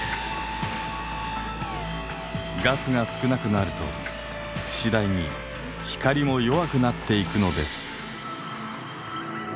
ガスが少なくなると次第に光も弱くなっていくのです。